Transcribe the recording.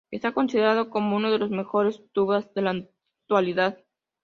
Esta considerado como uno de los mejores tubas de la actualidad.